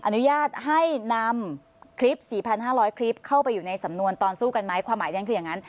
อนุญาตให้นำคลิป๔๕๐๐คลิปเข้าไปอยู่ในสำนวนตอนสู้กันไหมความหมายนั้นคืออย่างนั้น